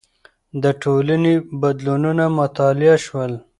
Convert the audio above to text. د ټولنې بدلونونه مطالعه شول.